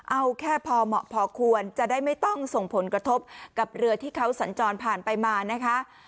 เอาแค่พอเหมาะพอควรจะได้ไม่ต้องส่งผลกระทบกับเรือที่เขาสัญจรผ่านไปมานะคะ